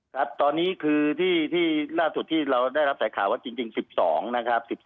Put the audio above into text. ครับตอนนี้คือที่ล่าสุดที่เราได้รับสายข่าวว่าจริง๑๒นะครับ